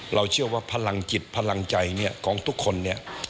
เราเชื่อว่าพลังจิตพลังใจเนี่ยของทุกคนเนี่ย